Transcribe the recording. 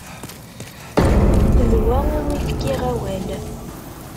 D wa umi fkiɣ amawal.